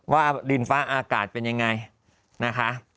ว่าดินฟ้าอากาศเป็นยังไงนะคะ